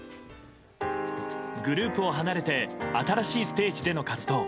グループを離れて新しいステージでの活動。